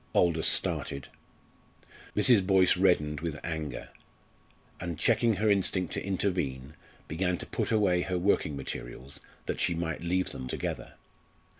Aldous started. Mrs. Boyce reddened with anger, and checking her instinct to intervene began to put away her working materials that she might leave them together.